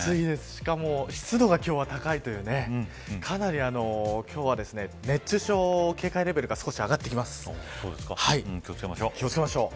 しかも湿度が今日は高いというかなり今日は熱中症警戒レベルが気を付けましょう。